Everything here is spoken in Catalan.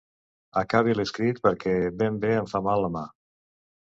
Acabe l'escrit perquè ben bé em fa mal la mà.